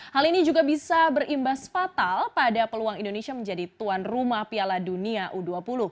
hal ini juga bisa berimbas fatal pada peluang indonesia menjadi tuan rumah piala dunia u dua puluh